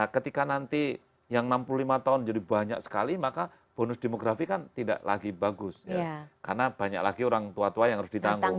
ketika nanti yang enam puluh lima tahun jadi banyak sekali maka bonus demografi kan tidak lagi bagus ya karena banyak lagi orang tua tua yang harus ditanggung